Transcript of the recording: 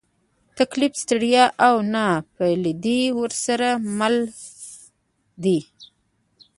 تکلیف، ستړیا، او نابلدي ورسره مل دي.